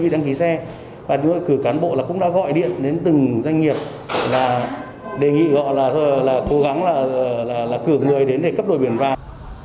và thưa quý vị cử cán bộ cũng đã gọi điện đến từng doanh nghiệp đề nghị họ cố gắng cử người đến để cấp đổi biển vàng